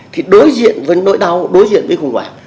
thì đối diện với nỗi đau đối diện với khủng hoảng